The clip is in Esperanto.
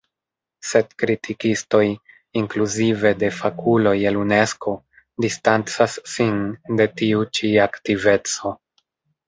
Sed kritikistoj, inkluzive de fakuloj el Unesko, distancas sin de tiu ĉi aktiveco.